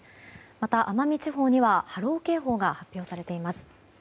また、奄美地方には波浪警報が発表されています。